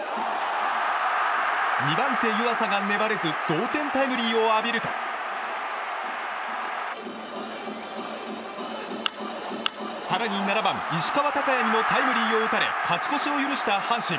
２番手、湯浅が粘れず同点タイムリーを浴びると更に７番、石川昂弥にもタイムリーを打たれ勝ち越しを許した阪神。